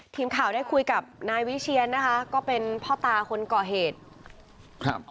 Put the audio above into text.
ทีมข่าวได้คุยกับนายวิเชียนนะคะก็เป็นพ่อตาคนก่อเหตุครับ